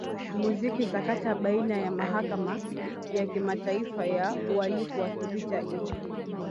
muziki sakata baini ya mahakama ya kimataifa ya ualifu wa kivita i